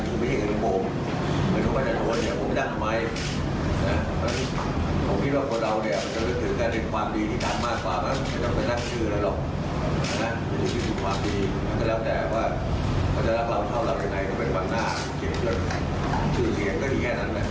ใช่ไหมจำนั้นเป็นเรื่องบ้านเลยเลย